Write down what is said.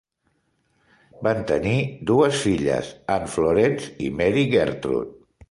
Van tenir dues filles: Ann Florence i Mary Gertrude.